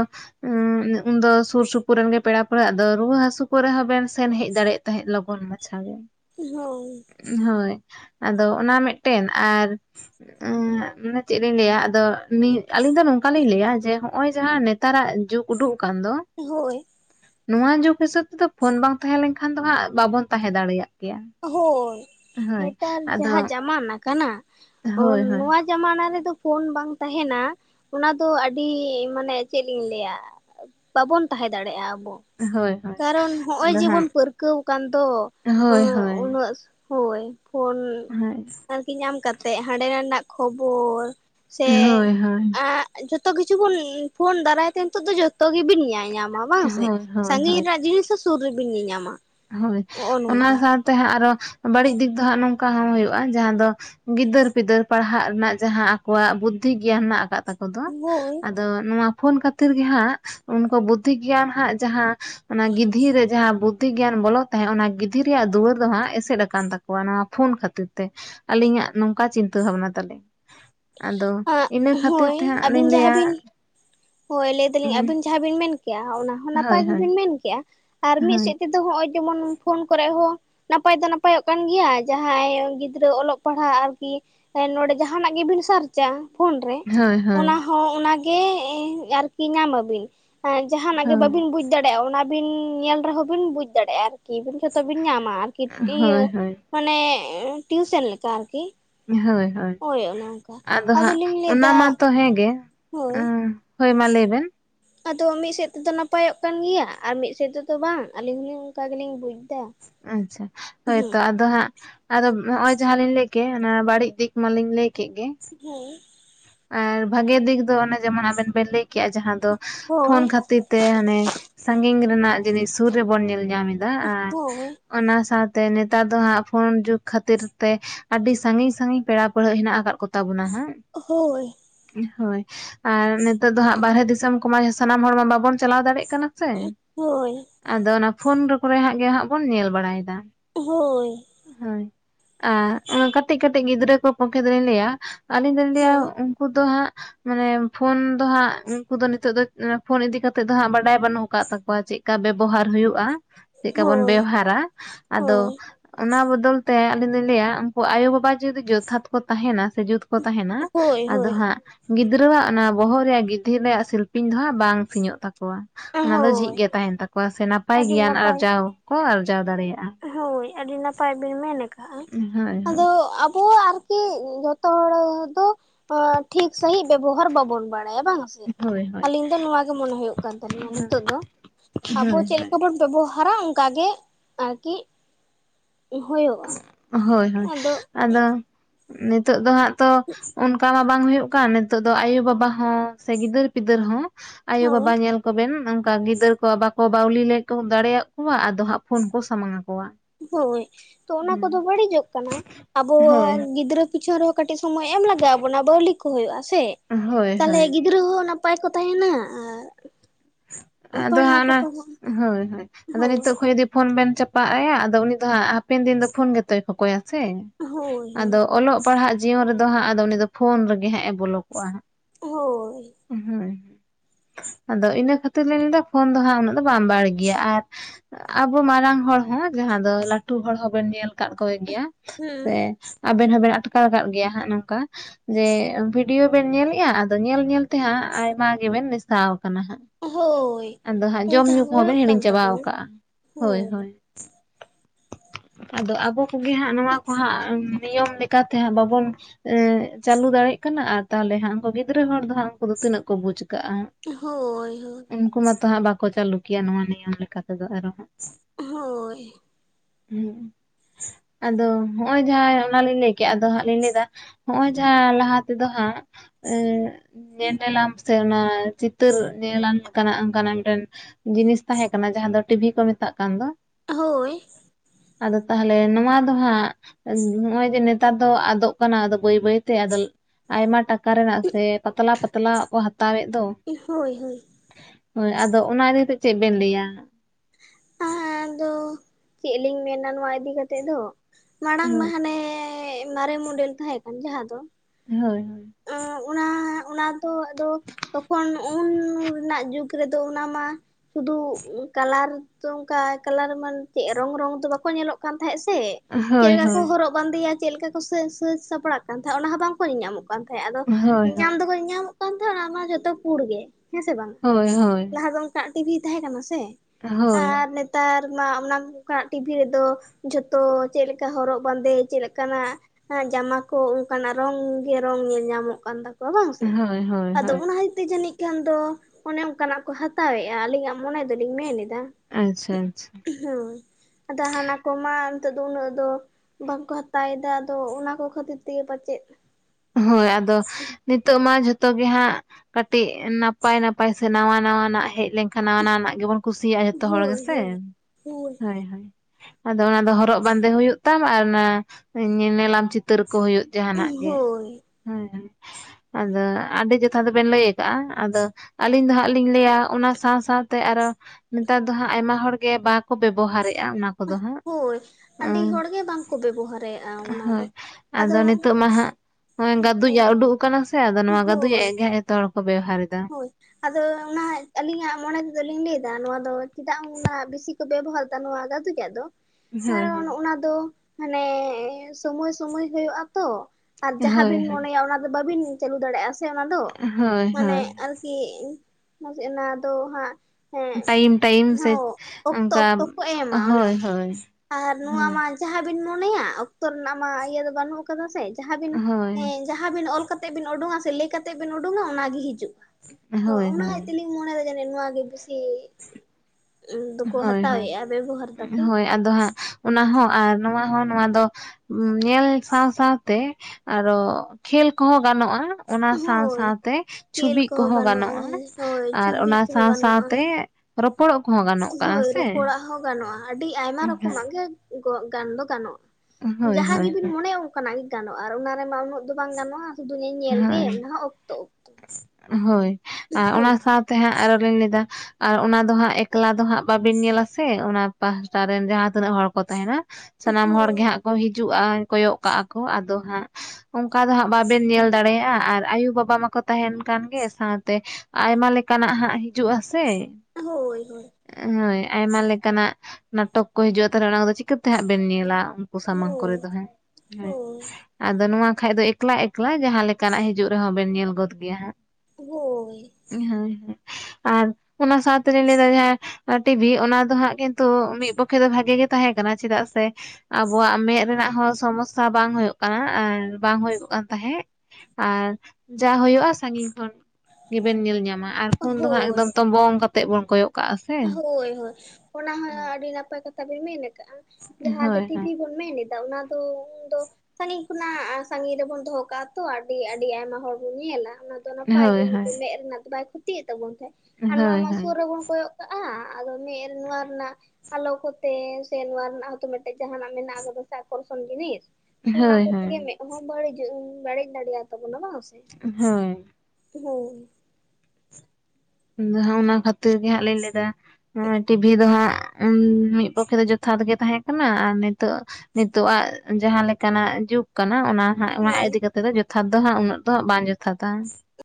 ᱩᱸᱻ ᱩᱱᱫᱚ ᱥᱩᱨ ᱥᱩᱯᱩᱨ ᱨᱮᱱ ᱜᱮ ᱯᱮᱲᱟ ᱯᱟᱹᱲᱦᱟᱹᱜᱼᱟᱜ ᱫᱚ ᱨᱩᱣᱟᱹ ᱦᱟᱥᱩ ᱠᱚᱨᱮ ᱦᱚᱸᱵᱮᱱ ᱥᱮᱱ ᱦᱮᱡ ᱫᱟᱲᱮᱭᱼᱟᱜ ᱛᱟᱦᱮᱸᱫ ᱞᱚᱜᱚᱱ ᱢᱟᱪᱷᱟ ᱜᱮ᱾ [unintelligible] ᱦᱳᱭ, ᱟᱫᱚ ᱚᱱᱟ ᱢᱤᱫᱴᱮᱱ ᱟᱨ ᱟᱸᱻ ᱢᱟᱱᱮ ᱪᱮᱫ ᱞᱤᱧ ᱞᱟᱹᱭᱟ ᱟᱫᱚ ᱩᱱᱤ ᱟᱞᱤᱧ ᱫᱚ ᱱᱚᱝᱠᱟᱞᱤᱧ ᱞᱟᱹᱭᱟ ᱡᱮ ᱦᱚᱸᱜ-ᱚᱭ ᱡᱟᱦᱟᱸ ᱱᱮᱛᱟᱨᱼᱟᱜ ᱡᱩᱜ ᱩᱰᱩᱠ ᱠᱟᱱ ᱫᱚ ᱦᱳᱭ᱾ ᱱᱚᱣᱟ ᱡᱩᱜᱽ ᱦᱤᱥᱟᱹᱵ ᱛᱮᱫᱚ ᱯᱷᱳᱱ ᱵᱟᱝ ᱛᱟᱦᱮᱸ ᱞᱮᱝᱠᱷᱟᱱ ᱫᱚ ᱦᱟᱸᱜ ᱵᱟᱵᱚᱱ ᱛᱟᱦᱮᱸ ᱫᱟᱲᱮᱭᱟᱜ ᱠᱮᱭᱟ᱾ ᱦᱳᱭ, ᱦᱳᱭ ᱱᱮᱛᱟᱨ ᱟᱫᱚ ᱡᱟᱦᱟᱸ ᱡᱟᱢᱟᱱᱟ ᱠᱟᱱᱟ ᱳᱱ ᱦᱳᱭ ᱦᱳᱭ ᱱᱚᱣᱟ ᱡᱟᱢᱟᱱᱟ ᱨᱮ ᱫᱚ ᱯᱷᱳᱱ ᱵᱟᱝ ᱛᱟᱦᱮᱸᱱᱟ, ᱚᱱᱟ ᱫᱚ ᱟᱰᱤ ᱢᱟᱱᱮ ᱪᱮᱫ ᱞᱤᱧ ᱞᱟᱹᱭᱟ ᱵᱟᱵᱚᱱ ᱛᱟᱦᱮᱸ ᱫᱟᱲᱮᱭᱟᱜᱼᱟ ᱟᱵᱚ, ᱦᱳᱭ ᱦᱳᱭ ᱠᱟᱨᱚᱱ ᱦᱚᱸᱜᱼᱚᱭ ᱟᱫᱚ ᱦᱟᱸᱜ ᱡᱮᱵᱚᱱ ᱯᱟᱹᱨᱠᱟᱹᱣ ᱟᱠᱟᱱ ᱫᱚ ᱦᱳᱭ ᱦᱳᱭ᱾ ᱵᱟᱥ ᱦᱳᱭ ᱯᱷᱳᱱ, ᱦᱳᱭ ᱟᱨᱠᱤ ᱧᱟᱢ ᱠᱟᱛᱮᱫ ᱦᱟᱸᱰᱮ ᱱᱟᱰᱮᱱᱼᱟᱜ ᱠᱷᱚᱵᱚᱨ ᱥᱮᱻ, ᱦᱳᱭ ᱦᱳᱭ ᱦᱳᱭ ᱟᱜ ᱡᱷᱚᱛᱚ ᱠᱤᱪᱷᱩ ᱵᱚᱱ ᱯᱷᱳᱱ ᱫᱟᱨᱟᱭ ᱛᱮ ᱱᱤᱛᱚᱜ ᱫᱚ ᱡᱷᱚᱛᱚ ᱜᱮᱵᱤᱱ ᱧᱟ ᱧᱟᱢᱟ᱾ ᱵᱟᱝ ᱥᱮ? ᱦᱳᱭ ᱥᱟᱺᱜᱤᱧ ᱦᱳᱭ ᱨᱮᱱᱟᱜ ᱡᱤᱱᱤᱥ ᱦᱚᱸ ᱥᱩᱨ ᱨᱮᱵᱤᱱ ᱧᱮ-ᱧᱟᱢᱟ᱾ ᱦᱳᱭ, ᱚᱱᱟ ᱥᱟᱶᱛᱮ ᱦᱟᱸᱜ ᱟᱨᱚ ᱵᱟᱹᱲᱤᱡ ᱫᱤᱠ ᱫᱚ ᱦᱟᱸᱜ ᱱᱚᱝᱠᱟ ᱦᱚᱸ ᱦᱩᱭᱩᱜᱼᱟ, ᱡᱟᱦᱟᱸ ᱫᱚ ᱜᱤᱫᱟᱹᱨ ᱯᱤᱫᱟᱹᱨ ᱯᱟᱲᱦᱟᱜ ᱨᱮᱱᱟᱜ ᱡᱟᱦᱟᱸ ᱟᱠᱩᱣᱟᱜ ᱵᱩᱫᱽᱫᱷᱤ ᱜᱮᱭᱟᱱ ᱢᱮᱱᱟᱜ ᱟᱠᱟᱫ ᱛᱟ ᱠᱚ ᱫᱚ, ᱦᱳᱭ ᱟᱫᱚ ᱱᱚᱣᱟ ᱯᱷᱳᱱ ᱠᱷᱟᱹᱛᱤᱨ ᱜᱮ ᱦᱟᱸᱜ ᱩᱱᱠᱩ ᱵᱩᱫᱽᱫᱷᱤ ᱜᱮᱭᱟᱱ ᱦᱟᱸᱜ ᱡᱟᱦᱟᱸ ᱚᱱᱟ ᱜᱤᱫᱷᱤ ᱨᱮ ᱡᱟᱦᱟᱸ ᱵᱩᱫᱽ ᱫᱷᱤ ᱜᱮᱭᱟᱱ ᱵᱚᱞᱚᱜ ᱛᱟᱦᱮᱸᱫ ᱚᱱᱟ ᱜᱤᱫᱷᱤ ᱨᱮᱭᱟᱜ ᱫᱩᱣᱟᱹᱨ ᱫᱚ ᱦᱟᱸᱜ ᱮᱥᱮᱫ ᱟᱠᱟᱱ ᱛᱟᱠᱚᱣᱟ, ᱱᱚᱣᱟ ᱯᱷᱳᱱ ᱠᱷᱟᱹᱛᱤᱨ ᱛᱮ᱾ ᱟᱹᱞᱤᱧᱼᱟᱜ ᱱᱚᱝᱠᱟ ᱪᱤᱱᱛᱟᱹ ᱵᱷᱟᱵᱱᱟ ᱛᱟᱞᱮ᱾ ᱟᱫᱚ ᱟᱸᱜ ᱤᱱᱟᱹ ᱠᱷᱟᱹᱛᱤᱨ ᱛᱮ ᱦᱳᱭ ᱦᱟᱸᱜ ᱟᱹᱵᱤᱱ ᱞᱤᱧ ᱡᱟᱦᱟᱸ ᱞᱟᱹᱭᱟ ᱵᱤᱱ ᱦᱳᱭ ᱞᱟᱹᱭ ᱫᱟᱞᱤᱧ ᱟᱵᱤᱱ ᱡᱟᱦᱟᱸ ᱵᱤᱱ ᱢᱮᱱ ᱠᱮᱼᱟ ᱚᱱᱟ ᱦᱚᱸ ᱦᱳᱭ ᱱᱟᱯᱟᱭ ᱦᱳᱭ ᱜᱮᱵᱤᱱ ᱢᱮᱱ ᱠᱮᱼᱟ ᱟᱨ ᱢᱤᱫ ᱦᱳᱭ ᱥᱮᱫ ᱛᱮ ᱦᱚᱸᱜ-ᱚᱭ ᱡᱮᱢᱚᱱ ᱯᱷᱳᱱ ᱠᱚᱨᱮᱜ ᱦᱚᱸ ᱱᱟᱯᱟᱭ ᱫᱚ ᱱᱟᱯᱟᱭᱼᱚᱜ ᱠᱟᱱ ᱜᱮᱭᱟ ᱡᱟᱦᱟᱸᱭ ᱜᱤᱫᱽᱨᱟᱹ ᱚᱞᱚᱜ ᱯᱟᱲᱦᱟᱜ ᱟᱨᱠᱤ ᱮ ᱱᱚᱸᱰᱮ ᱡᱟᱦᱟᱱᱟᱜ ᱜᱮᱵᱤᱱ ᱥᱟᱨᱪ ᱪᱟ ᱯᱷᱳᱱ ᱨᱮ᱾ ᱦᱳᱭ ᱚᱱᱟ ᱦᱳᱭ ᱦᱚᱸ ᱚᱱᱟ ᱜᱮ ᱮᱸ ᱟᱨᱠᱤ ᱧᱟᱢᱼᱟᱵᱤᱱ᱾ ᱟ ᱡᱟᱦᱟᱱᱟᱜ ᱜᱮ ᱦᱳᱭ ᱵᱟᱹᱵᱤᱱ ᱵᱩᱡ ᱪᱟᱲᱮᱭᱟᱜᱼᱟ ᱚᱱᱟ ᱵᱤᱱ ᱧᱮᱞ ᱨᱮᱦᱚᱸ ᱵᱤᱱ ᱵᱩᱡᱽ ᱫᱟᱲᱮᱭᱟᱜᱼᱟ ᱟᱨᱠᱤ ᱵᱤᱱ ᱡᱷᱚᱛᱚ ᱵᱤᱱ ᱧᱟᱢᱟ ᱟᱨᱠᱤ ᱤᱭᱟᱹ ᱦᱳᱭ ᱦᱳᱭ ᱢᱟᱱᱮ ᱴᱤᱭᱩᱥᱚᱱ ᱞᱮᱠᱟ ᱟᱨᱠᱤ᱾ ᱦᱳᱭ ᱦᱳᱭ ᱚᱱᱮ ᱚᱱᱠᱟ ᱟᱫᱚ ᱦᱟᱸᱜ ᱟᱫᱚᱞᱤᱧ ᱚᱱᱟ ᱞᱟᱹᱭᱫᱟ ᱢᱟᱛᱚ ᱦᱮᱸ ᱜᱮ᱾ ᱦᱳᱭ ᱟᱸᱻ᱾ ᱦᱳᱭ ᱢᱟ ᱞᱟᱹᱭ ᱵᱮᱱ᱾ ᱟᱫᱚ ᱢᱤᱫ ᱥᱮᱫ ᱛᱮᱫᱚ ᱱᱟᱯᱟᱭᱚᱜ ᱠᱟᱱ ᱜᱮᱭᱟ ᱟᱨ ᱢᱤᱫ ᱥᱮᱫ ᱛᱮᱫᱚ ᱵᱟᱝ ᱟᱞᱤᱧ ᱦᱚᱸᱞᱤᱧ ᱚᱱᱠᱟ ᱜᱮᱞᱤᱧ ᱵᱩᱡ ᱟᱪᱪᱷᱟ, ᱦᱳᱭ ᱛᱚ ᱟᱫᱚ ᱦᱟᱸᱜ ᱟᱫᱚ ᱦᱚᱸᱜᱼᱚᱭ ᱡᱟᱦᱟᱸ ᱞᱤᱧ ᱞᱟᱹᱭ ᱠᱮᱫ ᱚᱱᱟ ᱵᱟᱹᱲᱤᱡ ᱫᱤᱠ ᱢᱟᱞᱤᱧ ᱞᱟᱹᱭ ᱠᱮᱫ ᱜᱮ᱾ ᱦᱮᱸ᱾ ᱟᱨ ᱵᱷᱟᱜᱮ ᱫᱤᱠ ᱫᱚ ᱚᱱᱮ ᱡᱮᱢᱚᱱ ᱟᱵᱮᱱ ᱵᱮᱱ ᱞᱟᱹᱭ ᱠᱮᱜᱼᱟ ᱡᱟᱦᱟᱸ ᱫᱚ ᱯᱷᱳᱱ ᱦᱳᱭ ᱠᱷᱟᱹᱛᱤᱨ ᱛᱮ ᱦᱟᱱᱮ ᱥᱟᱸᱜᱤᱧ ᱨᱮᱱᱟᱜ ᱡᱤᱱᱤᱥ ᱥᱩᱨ ᱨᱮᱵᱚᱱ ᱧᱮᱞ ᱧᱟᱢ ᱮᱫᱟ ᱟᱨ ᱦᱳᱭ ᱚᱱᱟ ᱥᱟᱶᱛᱮ ᱱᱮᱛᱟᱨ ᱫᱚ ᱦᱟᱸᱜ ᱯᱷᱳᱱ ᱡᱩᱜᱽ ᱠᱷᱟᱛᱤᱨ ᱛᱮ ᱟᱹᱰᱤ ᱥᱟᱺᱜᱤᱧ ᱥᱟᱺᱜᱤᱧ ᱯᱮᱲᱟ ᱯᱟᱹᱲᱦᱟᱹᱜ ᱦᱮᱱᱟᱜ ᱟᱠᱟᱫ ᱠᱚ ᱛᱟᱵᱩᱱᱟ ᱦᱟᱸᱜ᱾ ᱦᱳᱭ᱾ ᱦᱳᱭ ᱟᱨ ᱱᱤᱛᱚᱜ ᱫᱚ ᱦᱟᱸᱜ ᱵᱟᱨᱦᱮ ᱫᱤᱥᱚᱢ ᱠᱚᱢᱟ ᱥᱟᱱᱟᱢ ᱦᱚᱲ ᱢᱟ ᱵᱟᱵᱩᱱ ᱪᱟᱞᱟᱣ ᱫᱟᱲᱮᱜ ᱠᱟᱱᱟ᱾ ᱥᱮ᱾ ᱦᱳᱭ ᱟᱫᱚ ᱚᱱᱟ ᱯᱷᱳᱱ ᱨᱮ ᱠᱚᱨᱮ ᱦᱟᱸᱜ ᱜᱮ ᱦᱟᱸᱜ ᱵᱚᱱ ᱧᱮᱞ ᱵᱟᱲᱟᱭᱫᱟ᱾ ᱦᱳᱭ᱾ ᱦᱳᱭ ᱟ ᱚᱱᱟ ᱠᱟᱹᱴᱤᱡ ᱠᱟᱹᱴᱤᱡ ᱜᱤᱫᱽᱨᱟᱹ ᱠᱚ ᱯᱚᱠᱠᱷᱮ ᱫᱚᱞᱤᱧ ᱞᱟᱹᱭᱟ ᱟᱹᱞᱤᱧ ᱫᱚᱞᱤᱧ ᱞᱟᱹᱭᱟ ᱦᱳᱭ ᱩᱱᱠᱩ ᱫᱚ ᱦᱟᱸᱜ ᱢᱟᱱᱮ ᱯᱷᱳᱱ ᱫᱚ ᱦᱟᱸᱜ ᱩᱱᱠᱩ ᱫᱚ ᱱᱤᱛᱚᱜ ᱫᱚ ᱯᱷᱳᱱ ᱤᱫᱤ ᱠᱟᱛᱮᱜ ᱫᱚ ᱦᱟᱸᱜ ᱵᱟᱰᱟᱭ ᱵᱟᱹᱱᱩᱜ ᱟᱠᱟᱫ ᱛᱟᱠᱚᱣᱟ ᱪᱮᱫ ᱠᱟ ᱵᱮᱵᱚᱦᱟᱨ ᱦᱩᱭᱩᱜᱼᱟ ᱪᱮᱫᱠᱟ ᱵᱚᱱ ᱦᱳᱭ ᱵᱮᱣᱦᱟᱨᱟ᱾ ᱟᱫᱚ ᱦᱳᱭ ᱚᱱᱟ ᱵᱚᱫᱚᱞᱛᱮ ᱟᱞᱤᱧ ᱫᱚᱞᱤᱧ ᱞᱟᱹᱭᱼᱟ ᱩᱱᱠᱩ ᱟᱭᱳ ᱵᱟᱵᱟ ᱡᱩᱫᱤ ᱡᱚᱛᱷᱟᱛ ᱠᱚ ᱛᱟᱦᱮᱱᱟ ᱥᱮ ᱡᱩᱛ ᱠᱚ ᱛᱟᱦᱮᱱᱟ᱾ ᱦᱳᱭ ᱟᱫᱚ ᱦᱳᱭ ᱦᱟᱸᱜ ᱜᱤᱫᱽᱨᱟᱹᱣᱟᱜ ᱚᱱᱟ ᱵᱚᱦᱚᱜ ᱨᱮᱭᱟᱜ ᱜᱤᱫᱷᱤ ᱨᱮᱭᱟᱜ ᱥᱤᱞᱯᱤᱧ ᱫᱚ ᱦᱟᱸᱜ ᱵᱟᱝ ᱥᱤᱧᱚᱸᱜ ᱛᱟᱠᱚᱣᱟ᱾ ᱚᱱᱟ ᱫᱚ ᱡᱷᱤᱡ ᱦᱳᱭ ᱜᱮ ᱛᱟᱦᱮᱱ ᱛᱟᱠᱚᱣᱟ ᱥᱮ ᱱᱟᱯᱟᱭ ᱟᱹᱰᱤ ᱜᱮᱭᱟᱱ ᱱᱟᱯᱟᱭ ᱟᱨᱡᱟᱣ ᱠᱚ ᱟᱨᱡᱟᱣ ᱫᱟᱲᱮᱭᱟᱜᱼᱟ᱾ ᱦᱳᱭ ᱟᱹᱰᱤ ᱱᱟᱯᱟᱭ ᱵᱤᱱ ᱢᱮᱱ ᱟᱠᱟᱜᱼᱟ, ᱦᱳᱭ ᱦᱳᱭ ᱟᱫᱚ ᱟᱵᱚ ᱟᱨ ᱠᱤ ᱤᱧ ᱡᱷᱚᱛᱚ ᱦᱚᱲ ᱫᱚ ᱟ ᱴᱷᱤᱠ ᱥᱟᱺᱦᱤᱡ ᱵᱮᱵᱚᱦᱟᱨ ᱵᱟᱵᱚᱱ ᱵᱟᱲᱟᱭᱟ ᱵᱟᱝ ᱥᱮ᱾ ᱦᱳᱭ ᱦᱳᱭ ᱟᱞᱤᱧ ᱫᱚ ᱱᱚᱣᱟ ᱜᱮ ᱢᱚᱱᱮ ᱦᱩᱭᱩᱜ ᱠᱟᱱ ᱛᱟᱹᱞᱤᱧᱟ ᱱᱤᱛᱚᱜ ᱫᱚ ᱟᱵᱚ ᱦᱳᱭ ᱪᱮᱫ ᱞᱮᱠᱟ ᱵᱚᱱ ᱵᱮᱵᱚᱦᱟᱨᱟ ᱚᱱᱠᱟ ᱜᱮ ᱟᱨᱠᱤ ᱦᱩᱭᱩᱜᱼᱟ᱾ ᱦᱳᱭ ᱦᱳᱭ ᱟᱫᱚ ᱱᱤᱛᱚᱜ ᱫᱚ ᱦᱟᱸᱜ ᱛᱚ ᱚᱱᱠᱟ ᱢᱟ ᱵᱟᱝ ᱦᱩᱭᱩᱜ ᱠᱟᱱ ᱱᱤᱛᱚᱜ ᱫᱚ ᱟᱭᱳ ᱵᱟᱵᱟ ᱦᱚᱸ ᱥᱮ ᱜᱤᱫᱟᱹᱨ ᱯᱤᱫᱟᱹᱨ ᱦᱚᱸ ᱟᱭᱳ ᱵᱟᱵᱟ ᱦᱳᱭ ᱧᱮᱞ ᱠᱚᱵᱮᱱ ᱚᱝᱠᱟ ᱜᱤᱫᱟᱹᱨ ᱠᱚᱣᱟᱜ ᱵᱟᱠᱚ ᱵᱟᱹᱞᱤ ᱞᱮᱠᱚ ᱫᱟᱲᱮᱭᱟᱜ ᱠᱚᱣᱟ ᱟᱫᱚ ᱦᱟᱸᱜ ᱯᱷᱳᱱ ᱠᱚ ᱥᱟᱢᱟᱝ ᱟᱠᱚᱣᱟ᱾ ᱦᱳᱭ ᱛᱚ ᱚᱱᱟ ᱠᱚᱫᱚ ᱦᱮᱸ ᱵᱟᱹᱲᱤᱡᱚᱜ ᱠᱟᱱᱟ ᱦᱳᱭ ᱟᱵᱚᱣᱟᱜ ᱜᱤᱫᱽᱨᱟᱹ ᱯᱤᱪᱷᱚᱱ ᱨᱮᱦᱚᱸ ᱠᱟᱹᱴᱤᱡ ᱥᱚᱢᱚᱭ ᱮᱢ ᱞᱟᱜᱟᱣ ᱵᱚᱱᱟ, ᱵᱟᱹᱣᱞᱤ ᱠᱚ ᱦᱩᱭᱩᱜᱼᱟ ᱥᱮ, ᱦᱳᱭ ᱦᱳᱭ ᱛᱟᱞᱦᱮ ᱜᱤᱫᱽᱨᱟᱹ ᱦᱚᱸ ᱚᱱᱟ ᱱᱟᱯᱟᱭ ᱠᱚ ᱛᱟᱦᱮᱱᱟ ᱟᱨ ᱟᱫᱚ ᱯᱟᱲᱦᱟᱣ ᱦᱟᱸᱜ ᱠᱚ ᱚᱱᱟ ᱯᱟᱲᱦᱟᱜᱼᱟ ᱦᱳᱭ ᱦᱳᱭ᱾ ᱟᱫᱚ ᱱᱤᱛᱳ ᱦᱳᱭ ᱠᱷᱚᱡ ᱡᱩᱫᱤ ᱯᱷᱳᱱ ᱵᱮᱱ ᱪᱟᱯᱟᱜ ᱟᱭᱟ, ᱟᱫᱚ ᱩᱱᱤ ᱫᱚ ᱦᱟᱸᱜ ᱦᱟᱯᱮᱱ ᱫᱤᱱ ᱫᱚ ᱯᱷᱳᱱ ᱜᱮᱛᱚᱭ ᱠᱷᱚᱠᱚᱭᱟ ᱥᱮ᱾ ᱦᱳᱭ ᱦᱳᱭ ᱟᱫᱚ ᱚᱞᱚᱜ ᱯᱟᱲᱦᱟᱜ ᱡᱤᱭᱚᱱ ᱨᱮᱫᱚ ᱦᱟᱸᱜ ᱟᱫᱚ ᱩᱱᱤ ᱫᱚ ᱯᱷᱳᱱ ᱨᱮᱜᱮ ᱦᱟᱸᱜ ᱮ ᱵᱚᱞᱚ ᱠᱚᱜᱼᱟ ᱾ ᱳ ᱦᱳᱭ ᱩᱸ ᱦᱳᱭ ᱟᱫᱚ ᱤᱱᱟᱹ ᱠᱷᱟᱹᱛᱤᱨ ᱞᱤᱧ ᱞᱟᱹᱭᱫᱟ ᱯᱷᱳᱱ ᱫᱚ ᱦᱟᱸᱜ ᱩᱱᱟᱹᱜ ᱫᱚ ᱵᱟᱢ ᱵᱟᱲ ᱜᱮᱭᱟ ᱟᱨ ᱟᱵᱚ ᱢᱟᱨᱟᱝ ᱦᱚᱲ ᱦᱚᱸ ᱡᱟᱦᱟᱸ ᱫᱚ ᱞᱟᱹᱴᱩ ᱦᱚᱲ ᱦᱚᱵᱮᱱ ᱧᱮᱞ ᱠᱟᱜ ᱠᱚᱜᱮ ᱜᱮᱭᱟ ᱦᱩᱸ ᱥᱮᱸ ᱟᱵᱮᱱ ᱦᱚᱸ ᱵᱮᱱ ᱟᱴᱠᱟᱨ ᱠᱟᱜ ᱜᱮᱭᱟ ᱦᱟᱸᱜ ᱱᱚᱝᱠᱟ ᱡᱮ ᱵᱷᱤᱰᱤᱭᱳ ᱵᱮᱱ ᱧᱮᱞᱮᱜᱼᱟ ᱟᱫᱚ ᱧᱮᱞ ᱧᱮᱞᱛᱮ ᱦᱟᱸᱜ ᱟᱭᱢᱟ ᱜᱮ ᱵᱮᱱ ᱱᱮᱥᱟᱣ ᱠᱟᱱᱟ ᱦᱟᱸᱜ᱾ ᱦᱳᱭ ᱾ ᱟᱫᱚ ᱦᱟᱸᱜ ᱡᱚᱢ ᱧᱩᱸ ᱠᱚᱦᱚᱸ ᱵᱤᱱ ᱦᱤᱲᱤᱧ ᱪᱟᱵᱟᱣ ᱟᱠᱟᱫᱼᱟ ᱦᱳᱭ ᱦᱳᱭ ᱾ ᱟᱫᱚ ᱟᱵᱚ ᱠᱚᱜᱮ ᱦᱟᱸᱜ ᱱᱚᱣᱟ ᱠᱚ ᱦᱟᱸᱜ ᱱᱤᱭᱚᱢ ᱞᱮᱠᱟᱛᱮ ᱦᱟᱸᱜ ᱵᱟᱵᱚᱱ ᱮ ᱪᱟᱹᱞᱩ ᱫᱟᱲᱮᱜ ᱠᱟᱱᱟ ᱛᱟᱦᱞᱮ ᱦᱟᱸᱜ ᱩᱱᱠᱩ ᱜᱤᱫᱽᱨᱟᱹ ᱦᱚᱲ ᱫᱚ ᱦᱟᱸᱜ ᱩᱱᱠᱩ ᱫᱚ ᱛᱤᱱᱟᱹᱜ ᱠᱚ ᱵᱩᱡ ᱠᱟᱹᱜᱼᱟ ᱾ ᱦᱳᱭ ᱦᱳᱭ ᱩᱱᱠᱩ ᱢᱟᱛᱚ ᱦᱟᱸᱜ ᱵᱟᱠᱚ ᱪᱟᱹᱞᱩ ᱠᱮᱭᱟ ᱱᱚᱣᱟ ᱱᱤᱭᱚᱢ ᱞᱮᱠᱟ ᱛᱮᱫᱚ ᱟᱨᱚ ᱦᱟᱸᱜ, ᱦᱳᱭ ᱾ ᱦᱩᱸ ᱟᱫᱚ ᱦᱚᱸ ᱚᱭ ᱡᱟᱦᱟᱸ ᱚᱱᱟᱞᱤᱧ ᱞᱟᱹᱭ ᱠᱮᱫ ᱟᱫᱚ ᱦᱟᱸᱜ ᱞᱤᱧ ᱞᱟᱹᱭ ᱫᱟ ᱦᱚᱸᱜ ᱚᱭ ᱡᱟᱦᱟᱸ ᱞᱟᱦᱟ ᱛᱮᱫᱚ ᱦᱟᱸᱜ ᱮ [inaudible] ᱛᱮ ᱚᱱᱟ ᱪᱤᱛᱟᱹᱨ ᱧᱮᱞᱟᱱ ᱞᱮᱠᱟᱱᱟᱜ ᱚᱱᱠᱟᱱᱟᱜ ᱢᱤᱫᱴᱮᱱ ᱡᱤᱱᱤᱥ ᱛᱟᱦᱮᱸ ᱠᱟᱱᱟ ᱡᱟᱦᱟᱸ ᱫᱚ ᱴᱤᱵᱷᱤ ᱠᱚ ᱢᱮᱛᱟᱜ ᱠᱟᱱ ᱫᱚ ᱦᱳᱭ ᱾ ᱟᱫᱚ ᱛᱟᱦᱚᱞᱮ ᱱᱚᱣᱟ ᱫᱚ ᱦᱟᱸᱜ ᱱᱚᱜᱼᱚᱭ ᱡᱮ ᱱᱮᱛᱟᱨ ᱫᱚ ᱟᱫᱚᱜ ᱠᱟᱱᱟ ᱟᱫᱚ ᱵᱟᱹᱭ ᱵᱟᱹᱭᱛᱮ ᱟᱫᱚ ᱟᱭᱢᱟ ᱴᱟᱠᱟ ᱨᱮᱱᱟᱜ ᱥᱮ ᱯᱟᱛᱞᱟ ᱯᱟᱛᱞᱟ ᱠᱚ ᱦᱟᱛᱟᱣᱮᱫ ᱫᱚ, ᱦᱳᱭ ᱦᱳᱭ ᱦᱳᱭ ᱟᱫᱚ ᱚᱱᱟ ᱤᱫᱤ ᱠᱟᱛᱮ ᱪᱮᱫ ᱵᱤᱱ ᱞᱟᱹᱭᱼᱟ? ᱟᱦᱟᱸ ᱟᱫᱚ ᱪᱮᱫ ᱞᱤᱧ ᱢᱮᱱᱟ ᱱᱚᱣᱟ ᱤᱫᱤ ᱠᱟᱛᱮᱜ ᱫᱚ, ᱢᱟᱲᱟᱝ ᱢᱟ ᱦᱳᱭ ᱦᱟᱱᱮ ᱢᱟᱨᱮ ᱢᱚᱰᱮᱞ ᱛᱟᱦᱮᱸ ᱠᱟᱱ ᱡᱟᱦᱟᱸ ᱫᱚ ᱦᱳᱭ ᱦᱳᱭ᱾ ᱦᱟᱸ ᱚᱱᱟ ᱫᱚ ᱟᱫᱚ ᱛᱚᱠᱷᱚᱱ ᱩᱱ ᱨᱮᱱᱟᱜ ᱡᱩᱜᱽ ᱨᱮᱫᱚ ᱚᱱᱟ ᱢᱟ ᱥᱩᱫᱩ ᱠᱟᱹᱞᱟᱨ ᱛᱚ ᱚᱱᱠᱟ ᱠᱟᱹᱞᱟᱨ ᱢᱟᱱ ᱪᱮᱫ ᱨᱚᱝ ᱨᱚᱝ ᱫᱚ ᱵᱟᱠᱚ ᱧᱮᱞᱚᱜ ᱠᱟᱱ ᱛᱟᱦᱮᱸᱫ ᱥᱮ, ᱦᱳᱭ ᱪᱮᱫ ᱦᱳᱭ ᱞᱮᱠᱟ ᱠᱚ ᱦᱳᱭ ᱦᱚᱨᱚᱜ ᱵᱟᱸᱫᱮᱭᱟ ᱪᱮᱫ ᱞᱮᱠᱟ ᱠᱚ ᱥᱟᱹᱡ ᱥᱟᱹᱡ ᱥᱟᱯᱲᱟᱜ ᱠᱟᱱ ᱛᱟᱦᱮᱸᱫ ᱚᱱᱟ ᱦᱚᱸ ᱵᱟᱝᱠᱚ ᱧᱮᱞ ᱧᱟᱢᱚᱜᱟ, ᱦᱮᱸ ᱟᱫᱚ ᱦᱳᱭ ᱦᱳᱭ ᱧᱤᱧᱟᱢ ᱫᱚᱠᱚ ᱧᱤᱧᱟᱢ ᱢᱚᱜ ᱠᱟᱱ ᱛᱟᱦᱮᱸᱱᱟ ᱚᱱᱟ ᱢᱟ ᱡᱷᱚᱛᱚ ᱯᱩᱲ ᱜᱮ᱾ ᱦᱮᱸ ᱥᱮ ᱵᱟᱝ ᱦᱳᱭ ᱦᱳᱭ ᱞᱟᱦᱟ ᱫᱚ ᱚᱱᱠᱟ ᱴᱤᱵᱷᱤ ᱛᱟᱦᱮᱸ ᱠᱟᱱᱟ ᱥᱮ᱾ ᱟᱨ ᱦᱳᱭ᱾ ᱱᱮᱛᱟᱨ ᱢᱟ ᱚᱱᱟ ᱚᱱᱠᱟᱱᱟᱜ ᱴᱤᱵᱷᱤ ᱨᱮᱫᱚ ᱡᱷᱚᱛᱚ ᱪᱮᱫ ᱞᱮᱠᱟ ᱦᱚᱨᱚᱜ ᱵᱟᱸᱫᱮ ᱪᱮᱫ ᱞᱮᱠᱟ ᱱᱟᱜ-ᱼ ᱡᱟᱢᱟ ᱠᱚ ᱚᱱᱠᱟᱱᱟᱜ ᱨᱚᱝ ᱜᱮ ᱨᱚᱝ ᱧᱮᱞ ᱧᱟᱢᱚᱜ ᱠᱟᱱ ᱛᱟᱠᱚᱣᱟ ᱵᱟᱝ ᱥᱮ ᱦᱳᱭ ᱟᱫᱚ ᱚᱱᱟ ᱦᱳᱭ ᱦᱟᱛᱤᱡ ᱛᱮ ᱡᱟᱹᱱᱤᱡ ᱮᱠᱷᱟᱱ ᱫᱚ ᱚᱱᱮ ᱚᱱᱠᱟᱱᱟᱜ ᱠᱚ ᱦᱟᱛᱟᱣᱮᱫᱼᱟ ᱟᱹᱞᱤᱧᱟᱜ ᱢᱚᱱᱮ ᱫᱚᱞᱤᱧ ᱢᱮᱱ ᱮᱫᱟ᱾ ᱟᱪᱪᱷᱟ ᱟᱪᱪᱷᱟ᱾ ᱦᱳᱭ ᱟᱫᱚ ᱦᱟᱱᱟ ᱠᱚᱢᱟ ᱱᱤᱛᱚᱜ ᱫᱚ ᱩᱱᱟᱹᱜ ᱫᱚ ᱵᱟᱝᱠᱚ ᱦᱟᱛᱟᱣ ᱮᱫᱟ ᱟᱫᱚ ᱚᱱᱟᱠᱚ ᱠᱷᱟᱹᱛᱤᱨ ᱛᱮᱜᱮ ᱯᱟᱪᱮᱫ ᱦᱳᱭ ᱟᱫᱚ ᱱᱤᱛᱚᱜ ᱢᱟ ᱡᱚᱛᱚ ᱡᱚᱛᱚ ᱜᱮ ᱦᱟᱸᱜ ᱠᱟᱹᱴᱤᱡ ᱱᱟᱯᱟᱭ ᱱᱟᱯᱟᱭ ᱥᱮ ᱱᱟᱣᱟ ᱱᱟᱣᱟ ᱱᱟᱜ ᱦᱮᱡ ᱞᱮᱱᱠᱷᱟᱱ ᱱᱟᱣᱟ ᱱᱟᱣᱟ ᱱᱟᱜ ᱜᱮᱵᱚᱱ ᱠᱩᱥᱤᱭᱟᱜᱼᱟ ᱡᱚᱛᱚ ᱦᱚᱲ ᱦᱳᱭ ᱜᱮᱥᱮ, ᱦᱳᱭ ᱦᱳᱭ ᱦᱳᱭ ᱟᱫᱚ ᱚᱱᱟ ᱫᱚ ᱦᱚᱨᱚᱜ ᱵᱟᱸᱫᱮ ᱦᱳᱭᱳᱜ ᱛᱟᱢ ᱟᱨ ᱚᱱᱟ ᱧᱮᱞᱟᱢ ᱪᱤᱛᱟᱹᱨ ᱠᱚ ᱦᱩᱭᱩᱜ ᱡᱟᱦᱱᱟᱜ ᱜᱮ ᱾ ᱦᱳᱭ ᱦᱳᱭ ᱦᱳᱭ ᱟᱫᱚ ᱟᱹᱰᱤ ᱡᱚᱛᱷᱟᱛ ᱫᱚᱵᱮᱱ ᱞᱟᱹᱭ ᱟᱠᱟᱜ-ᱟ ᱟᱫᱚ ᱟᱹᱞᱤᱧ ᱫᱚ ᱦᱟᱸᱜ ᱞᱤᱧ ᱞᱟᱹᱭᱟ ᱚᱱᱟ ᱥᱟᱶ ᱥᱟᱶᱛᱮ ᱟᱨᱚ ᱱᱮᱛᱟᱨ ᱫᱚ ᱦᱟᱸᱜ ᱟᱭᱢᱟ ᱦᱚᱲᱜᱮ ᱵᱟᱠᱚ ᱵᱮᱵᱚᱦᱟᱨᱮᱫᱼᱟ ᱚᱱᱟ ᱠᱚᱫᱚ ᱦᱟᱸᱜ, ᱦᱳᱭ᱾ ᱟᱹᱰᱤ ᱩᱸ ᱦᱚᱲᱜᱮ ᱵᱟᱝᱠᱚ ᱵᱮᱵᱚᱦᱟᱨᱮᱜᱼᱟ ᱚᱱᱟ ᱫᱚ᱾ ᱟᱫᱚ ᱦᱚᱸᱜ-ᱚᱭ ᱜᱟᱹᱫᱩᱡ-ᱟᱜ ᱩᱰᱩᱠ ᱟᱠᱟᱱᱟ ᱥᱮ ᱟᱫᱚ ᱱᱚᱣᱟ ᱦᱳᱭ ᱜᱟᱫᱩᱡ-ᱟᱜ ᱜᱮ ᱡᱷᱚᱛᱚ ᱦᱚᱲ ᱠᱚ ᱵᱮᱣᱦᱟᱨ ᱮᱫᱟ᱾ ᱦᱳᱭ᱾ ᱟᱫᱚ ᱚᱱᱟ ᱦᱟᱸᱜ ᱟᱹᱞᱤᱧᱟᱜ ᱢᱚᱱᱮ ᱛᱮᱫᱚᱞᱤᱧ ᱞᱟᱹᱭᱫᱟ ᱱᱚᱣᱟ ᱫᱚ ᱪᱮᱫᱟᱜ ᱚᱱᱟ ᱵᱤᱥᱤ ᱛᱚ ᱵᱮᱵᱚᱦᱟᱨᱫᱟ ᱱᱚᱣᱟ ᱜᱟᱫᱩᱡᱟᱜ ᱫᱚ? ᱦᱳᱭ ᱠᱟᱨᱚᱱ ᱦᱳᱭ᱾ ᱚᱱᱟ ᱫᱚ ᱢᱟᱱᱮ ᱥᱚᱢᱚᱭ ᱥᱚᱢᱚᱭ ᱦᱩᱭᱩᱜᱼᱟ ᱛᱚ᱾ ᱟᱨ ᱡᱟᱦᱟᱸ ᱦᱳᱭ ᱵᱤᱱ ᱦᱳᱭ ᱢᱚᱱᱮᱭᱟ ᱚᱱᱟ ᱫᱚ ᱵᱟᱵᱤᱱ ᱪᱟᱹᱞᱩ ᱫᱟᱲᱮᱭᱟᱜᱼᱟ ᱥᱮ ᱚᱱᱟ ᱫᱚ᱾ ᱦᱳᱭ ᱦᱳᱭ᱾ ᱟᱨᱠᱤᱮ ᱚᱱᱟ ᱫᱚ ᱦᱟᱸᱜ ᱦᱮᱸ ᱴᱟᱭᱤᱢ ᱴᱟᱭᱤᱢ ᱥᱮ ᱚᱠᱛᱚ ᱚᱱᱠᱟ ᱚᱠᱛᱚ ᱠᱚ ᱮᱢᱟ ᱚᱱᱮ ᱦᱳᱭ ᱚᱱᱠᱟ ᱦᱳᱭ ᱟᱨ ᱱᱚᱣᱟ ᱦᱳᱭ ᱢᱟ ᱡᱟᱦᱟᱸ ᱵᱤᱱ ᱢᱚᱱᱮᱭᱟ ᱚᱠᱛᱚ ᱨᱮᱱᱟᱜ ᱢᱟ ᱤᱭᱟᱹ ᱫᱚ ᱵᱟᱹᱱᱩᱜ ᱟᱠᱟᱫᱟ ᱥᱮ ᱡᱟᱦᱟᱸ ᱵᱤᱱ ᱦᱳᱭ ᱮᱸ ᱡᱟᱦᱟᱸ ᱵᱤᱱ ᱚᱞ ᱠᱟᱛᱮᱜ ᱵᱤᱱ ᱩᱰᱩᱝᱟ ᱥᱮ ᱞᱟᱹᱭ ᱠᱟᱛᱮᱫ ᱵᱤᱱ ᱩᱰᱩᱝᱟ ᱚᱱᱟᱜᱮ ᱦᱤᱡᱩᱜᱼᱟ᱾ ᱦᱳᱭ ᱛᱚ ᱚᱱᱟ ᱦᱳᱭ ᱦᱟᱭ ᱛᱮᱞᱤᱧ ᱢᱚᱱᱮᱭᱫᱟ ᱡᱟᱹᱱᱤᱡ ᱱᱚᱣᱟ ᱜᱮ ᱵᱮᱥᱤ ᱫᱚᱠᱚ ᱦᱳᱭ ᱦᱳᱭ ᱦᱟᱛᱟᱣᱮᱜ-ᱟ, ᱵᱮᱵᱚᱦᱟᱨ ᱫᱟᱠᱚ᱾ ᱦᱳᱭ ᱟᱫᱚ ᱦᱟᱸᱜ ᱚᱱᱟ ᱦᱚᱸ ᱟᱨ ᱱᱚᱣᱟ ᱦᱚᱸ ᱱᱚᱣᱟ ᱫᱚ ᱧᱮᱞ ᱥᱟᱶ ᱥᱟᱶᱛᱮ ᱟᱨᱦᱚᱸ ᱠᱷᱮᱞ ᱠᱚᱦᱚᱸ ᱜᱟᱱᱚᱜᱼᱟ᱾ ᱚᱱᱟ ᱥᱟᱶ ᱦᱳᱭ ᱥᱟᱶᱛᱮ ᱠᱷᱮᱞ ᱪᱷᱩᱵᱤ ᱠᱚᱦᱚᱸ ᱜᱟᱱᱚᱜᱼᱟ ᱦᱳᱭ ᱟᱨ ᱪᱷᱚᱵᱤ ᱚᱱᱟ ᱠᱚᱦᱚᱸ ᱥᱟᱶ ᱜᱟᱱᱚᱜᱼᱟ ᱥᱟᱶᱛᱮ ᱨᱚᱯᱚᱲᱚᱜ ᱠᱚᱦᱚᱸ ᱜᱟᱱᱚᱜ᱾ ᱠᱟᱱᱟ ᱦᱳᱭ ᱥᱮ ᱨᱚᱯᱚᱲᱟᱜ ᱦᱚᱸ ᱜᱟᱱᱚᱜ-ᱟ, ᱟᱹᱰᱤ ᱟᱭᱢᱟ ᱨᱚᱠᱚᱢᱟᱜ ᱜᱮ ᱜᱟᱱ ᱫᱚ ᱜᱟᱱᱚᱜᱼᱟ᱾ ᱦᱳᱭ ᱡᱟᱦᱟᱸ ᱦᱳᱭ ᱜᱮᱵᱤᱱ ᱢᱚᱱᱮᱭᱟ ᱚᱱᱠᱟᱱᱟᱜ ᱜᱮ ᱜᱟᱱᱚᱜᱼᱟ ᱟᱨ ᱚᱱᱟ ᱨᱮᱢᱟ ᱩᱱᱟᱹᱜ ᱫᱚ ᱵᱟᱝ ᱜᱟᱱᱚᱜᱼᱟ ᱥᱩᱫᱩ ᱧᱮᱧᱮᱞ ᱜᱮ ᱦᱳᱭ ᱚᱱᱟ ᱦᱚᱸ ᱚᱠᱛᱚ ᱚᱠᱛᱚ᱾ ᱦᱳᱭ ᱟᱨ ᱚᱱᱟ ᱥᱟᱶᱛᱮ ᱦᱟᱸᱜ ᱟᱨᱚᱞᱤᱧ ᱞᱟᱹᱭᱫᱟ ᱟᱨ ᱚᱱᱟ ᱫᱚ ᱦᱟᱸᱜ ᱮᱠᱞᱟ ᱫᱚ ᱦᱟᱸᱜ ᱵᱟᱵᱤᱱ ᱧᱮᱞᱟ ᱥᱮ ᱚᱱᱟ ᱯᱟᱦᱴᱥᱟ ᱨᱮᱱ ᱡᱟᱦᱟᱸ ᱛᱤᱱᱟᱹᱜ ᱦᱚᱲ ᱠᱚ ᱛᱟᱦᱮᱱᱟ ᱥᱟᱱᱟᱢ ᱦᱚᱲ ᱜᱮ ᱦᱳᱭ ᱦᱟᱸᱜ ᱠᱚ ᱦᱤᱡᱩᱜᱼᱟ᱾ ᱠᱚᱭᱚᱜ ᱠᱟᱜᱼᱟ ᱠᱚ ᱟᱫᱚ ᱦᱟᱸᱜ ᱚᱱᱠᱟ ᱫᱚ ᱦᱟᱸᱜ ᱵᱟᱵᱮᱱ ᱧᱮᱞ ᱫᱟᱲᱮᱭᱟᱜᱼᱟ ᱟᱨ ᱟᱭᱩᱵᱟᱵᱟ ᱢᱟᱠᱚ ᱛᱟᱦᱮᱱ ᱠᱟᱱ ᱜᱮ ᱥᱟᱶᱛᱮ ᱟᱭᱢᱟ ᱞᱮᱠᱟᱱᱟᱜ ᱦᱟᱸᱜ ᱦᱤᱡᱩᱜ-ᱟ ᱥᱮ᱾ ᱦᱳᱭ ᱦᱳᱭ᱾ ᱦᱳᱭ᱾ ᱟᱭᱢᱟ ᱞᱮᱠᱟᱱᱟᱜ ᱱᱟᱴᱚᱠ ᱠᱚ ᱦᱤᱡᱩᱜᱼᱟ ᱛᱟᱦᱚᱞᱮ ᱚᱱᱟ ᱠᱚᱫᱚ ᱪᱤᱠᱟᱹᱛᱮ ᱦᱟᱸᱜ ᱵᱮᱱ ᱧᱮᱞᱟ᱾ ᱩᱠᱩ ᱥᱟᱢᱟᱝ ᱦᱳᱭ ᱠᱚᱨᱮ ᱫᱚ ᱦᱮᱸ ᱦᱮᱸ᱾ ᱦᱳᱭ ᱟᱫᱚ ᱱᱚᱣᱟ ᱠᱷᱟᱱ ᱫᱚ ᱮᱠᱞᱟ ᱮᱠᱞᱟ ᱡᱟᱦᱟᱸ ᱞᱮᱠᱟᱱᱟᱜ ᱦᱤᱡᱩᱜ ᱨᱮᱦᱚᱸ ᱵᱮᱱ ᱧᱮᱞ ᱜᱚᱫ ᱜᱮᱭᱟ ᱦᱟᱸᱜ᱾ ᱦᱳᱭ᱾ ᱦᱳᱭ ᱦᱳᱭ ᱟᱨ ᱚᱱᱟ ᱥᱟᱶᱛᱮᱞᱤᱧ ᱞᱟᱹᱭᱫᱟ ᱡᱟᱦᱟᱸᱭ ᱴᱤᱵᱷᱤ ᱚᱱᱟ ᱫᱚ ᱦᱟᱸᱜ ᱠᱤᱱᱛᱩ ᱢᱤᱫ ᱯᱚᱠᱷᱮ ᱫᱚ ᱵᱷᱟᱜᱮ ᱜᱮ ᱛᱟᱦᱮᱸ ᱠᱟᱱᱟ ᱪᱮᱫᱟᱜ ᱥᱮ ᱟᱵᱚᱣᱟᱜ ᱢᱮᱸᱫ ᱨᱮᱱᱟᱜ ᱦᱚᱸ ᱥᱚᱢᱚᱥᱥᱟ ᱵᱟᱝ ᱦᱩᱭᱩᱜ ᱠᱟᱱᱟ ᱟᱨ ᱵᱟᱝ ᱦᱩᱭᱩᱜ ᱠᱟᱱ ᱛᱟᱦᱮᱸᱫ᱾ ᱟᱨ ᱡᱟ ᱦᱳᱭᱳᱜᱼᱟ ᱥᱟᱺᱜᱤᱧ ᱠᱷᱚᱱ᱾ ᱜᱮᱵᱮᱱ ᱧᱮᱞ ᱧᱟᱢᱟ ᱟᱨ ᱯᱷᱳᱱ ᱫᱚ ᱦᱟᱸᱜ ᱮᱠᱫᱚᱢ ᱦᱳᱭ ᱛᱚᱵᱚᱝ ᱠᱟᱛᱮᱫ ᱵᱚᱱ ᱠᱚᱭᱚᱜ ᱠᱟᱜᱼᱟ ᱥᱮ᱾ ᱦᱳᱭ ᱦᱳᱭ ᱚᱱᱟ ᱦᱚᱸ ᱟᱹᱰᱤ ᱱᱟᱯᱟᱭ ᱠᱟᱛᱷᱟ ᱵᱮᱱ ᱢᱮᱱ ᱟᱠᱟᱜᱼᱟ, ᱡᱟᱦᱟᱸ ᱫᱚ ᱦᱳᱭ ᱦᱳᱭ ᱴᱤᱵᱷᱤ ᱵᱚᱱ ᱢᱮᱱ ᱮᱫᱟ ᱚᱱᱟ ᱫᱚ ᱩᱱᱫᱚ ᱥᱟᱺᱜᱤᱧ ᱠᱷᱚᱱᱟᱜ ᱥᱟᱺᱜᱤᱧ ᱨᱮᱵᱚᱱ ᱫᱚᱦᱚ ᱠᱟᱜᱼᱟ ᱛᱚ ᱟᱹᱰᱤ ᱟᱹᱰᱤ ᱟᱭᱢᱟ ᱦᱚᱲ ᱵᱚᱱ ᱧᱮᱞᱟ ᱚᱱᱟ ᱫᱚ᱾ ᱫᱚ ᱱᱟᱯᱟᱭ ᱜᱮ ᱦᱳᱭ ᱚᱱᱟ ᱦᱳᱭ ᱫᱚ ᱢᱮᱫ ᱨᱮᱱᱟᱜ ᱫᱚ ᱵᱟᱭ ᱠᱷᱚᱛᱤᱭᱮᱫ ᱛᱟᱵᱚᱱ ᱛᱟᱦᱮᱸ ᱟᱨ ᱱᱚᱣᱟ ᱦᱳᱭ ᱢᱟ ᱦᱳᱭ ᱥᱩᱨ ᱨᱮᱵᱚᱱ ᱠᱚᱭᱚᱜ ᱠᱟᱜ-ᱟ ᱟᱫᱚ ᱢᱮᱠ ᱨᱮ ᱱᱳᱣᱟ ᱨᱮᱱᱟᱜ ᱟᱞᱚ ᱠᱚᱛᱮ ᱥᱮ ᱱᱚᱣᱟ ᱨᱮᱱᱟᱜ ᱦᱚᱸᱛᱚ ᱢᱤᱫᱴᱮᱡ ᱡᱟᱦᱟᱸᱱᱟᱜ ᱢᱮᱱᱟᱜ ᱟᱠᱟᱫᱟ ᱥᱮ ᱟᱠᱚᱨᱥᱚᱱ ᱡᱤᱱᱤᱥ᱾ ᱚᱱᱟ ᱦᱳᱭ ᱠᱚ ᱦᱳᱭ ᱛᱮᱜᱮ ᱢᱮᱫ ᱦᱚᱸ ᱵᱟᱹᱲᱤᱡ ᱵᱟᱹᱲᱤᱡ ᱫᱟᱲᱮᱭᱟ ᱛᱟᱵᱚᱱᱟ ᱵᱟᱝ ᱥᱮ᱾ ᱦᱳᱭ᱾ ᱦᱚᱸ᱾ ᱟᱫᱚ ᱦᱟᱸᱜ ᱚᱱᱟ ᱠᱷᱟᱹᱛᱤᱨ ᱜᱮ ᱦᱟᱸᱜ ᱞᱤᱧ ᱞᱟᱹᱭ ᱮᱫᱟ᱾ [unintelligible] ᱴᱤᱵᱷᱤ ᱫᱚ ᱦᱟᱸᱜ ᱢᱤᱫ ᱯᱚᱠᱷᱮ ᱫᱚ ᱡᱚᱛᱷᱟᱛ ᱜᱮ ᱛᱟᱦᱮᱸ ᱠᱟᱱᱟ ᱟᱨ ᱱᱤᱛᱚᱜ ᱱᱤᱛᱚᱜ ᱟᱜ ᱡᱟᱦᱟᱸ ᱞᱮᱠᱟᱱᱟᱜ ᱡᱩᱜᱽ ᱠᱟᱱᱟ ᱚᱱᱟ ᱦᱮᱸ ᱚᱱᱟ ᱦᱳᱭ ᱤᱫᱤ ᱠᱟᱛᱮᱜ ᱫᱚ ᱡᱚᱛᱷᱟᱛ ᱫᱚ ᱦᱟᱸᱜ ᱩᱱᱟᱹᱜ ᱫᱚ ᱵᱟᱝ ᱡᱚᱛᱷᱟᱛᱟ ᱾